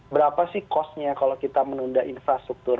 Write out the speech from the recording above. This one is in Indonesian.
berapa sih cost nya kalau kita menunda infrastruktur